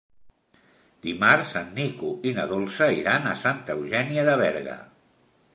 Dimarts en Nico i na Dolça iran a Santa Eugènia de Berga.